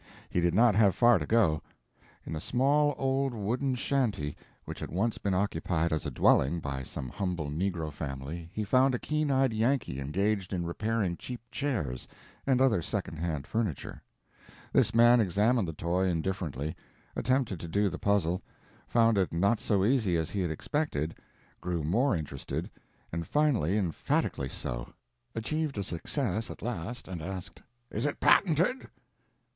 He did not have to go far. In a small old wooden shanty which had once been occupied as a dwelling by some humble negro family he found a keen eyed Yankee engaged in repairing cheap chairs and other second hand furniture. This man examined the toy indifferently; attempted to do the puzzle; found it not so easy as he had expected; grew more interested, and finally emphatically so; achieved a success at last, and asked: "Is it patented?"